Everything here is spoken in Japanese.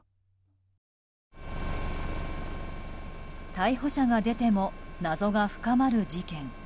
逮捕者が出ても謎が深まる事件。